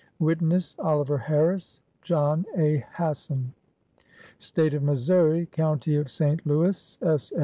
Witness, j Oliver Harhis, I John A. Hasson. 11 State of Missouri, County of St. Louis, s.